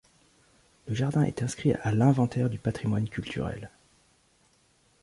Le jardin est inscrit à l'inventaire du patrimoine culturel.